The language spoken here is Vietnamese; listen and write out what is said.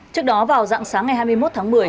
trước đó vào dạng sáng ngày hai mươi một tháng một mươi